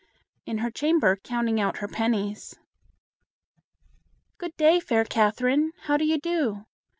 "In her chamber, counting out her pennies." "Good day, fair Catherine. How do you do?"